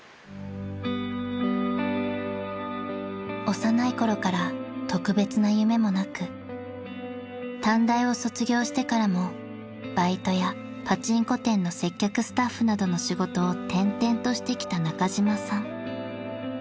［幼いころから特別な夢もなく短大を卒業してからもバイトやパチンコ店の接客スタッフなどの仕事を転々としてきた中島さん］